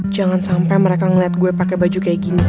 jangan sampai mereka ngeliat gue pakai baju kayak gini